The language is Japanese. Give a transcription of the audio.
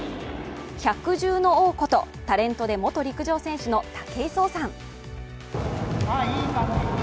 百獣の王こと、タレントで元陸上選手の武井壮さん。